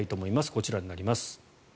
こちらになります。